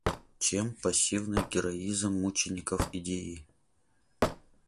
чем пассивный героизм мучеников идеи.